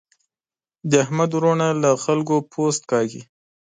د احمد وروڼه له خلګو پوست کاږي.